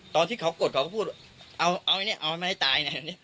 ตอนที่เขากดเขาก็พูดเอาไหมเนี่ยเอาไม่ให้ตายนะเนี่ย